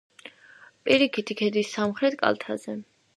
პირიქითი ქედის სამხრეთ კალთაზე.